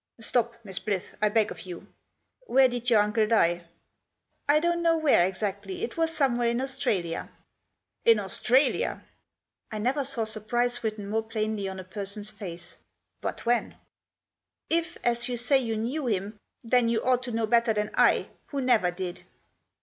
" Stop, Miss Blyth, I beg of you. Where did your uncle die ?"" I don't know where exactly, it was somewhere in Australia." " In Australia !" I never saw surprise written more plainly on a person's face. " But when ?"" If, as you say, you knew him, then you ought to know better than I, who never did."